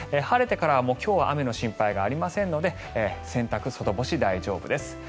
晴れてからは今日は雨の心配がありませんので洗濯、外干し大丈夫です。